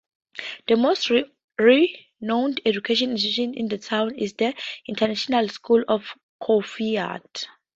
The most renowned education institute in the town is the International School of Choueifat.